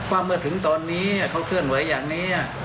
ว่าเมื่อถึงตอนนี้เขาเคลื่อนไหวอย่างนี้